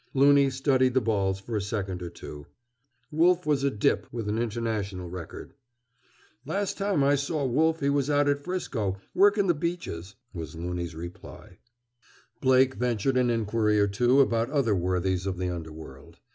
Loony studied the balls for a second or two. Wolf was a "dip" with an international record. "Last time I saw Wolf he was out at 'Frisco, workin' the Beaches," was Loony's reply. Blake ventured an inquiry or two about other worthies of the underworld.